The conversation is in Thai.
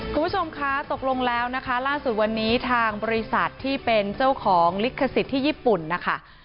คุณผู้ชมคะตกลงแล้วนะคะล่าสุดวันนี้ทางบริษัทที่เป็นเจ้าของลิขสิทธิ์ที่ญี่ปุ่นนะคะ